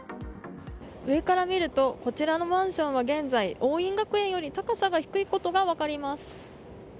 上から見るとこちらのマンションは現在桜蔭学園より高さが低いことが分かります。